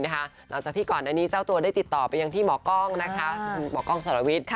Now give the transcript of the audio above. หลังจากที่ก่อนอันนี้เจ้าตัวได้ติดต่อไปยังที่หมอกล้องคุณหมอกล้องสรวิทย์